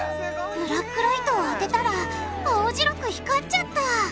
ブラックライトをあてたら青白く光っちゃった！